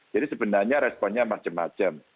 sebenarnya responnya macam macam